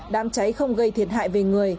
đám cháy không gây thiệt hại về người